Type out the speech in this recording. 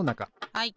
はい！